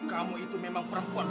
kamu itu memang perempuan